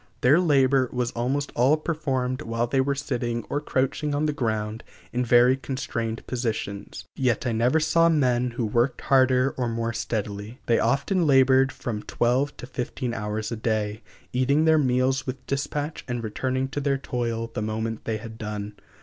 Their labor was almost all performed while they were sitting or crouching on the ground in very constrained positions; yet I never saw men who worked harder or more steadily. They often labored from twelve to fifteen hours a day, eating their meals with dispatch and returning to their toil the moment they had done.